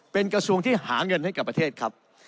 เป็นกระทรวงที่หาเงินให้กับประเทศครับ